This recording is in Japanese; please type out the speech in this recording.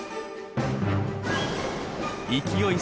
勢い